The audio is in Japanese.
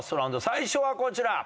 最初はこちら。